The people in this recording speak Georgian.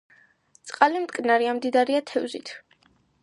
წყალი მტკნარია, მდიდარია თევზით.